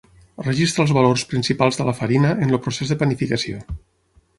Registra els valors principals de la farina en el procés de panificació.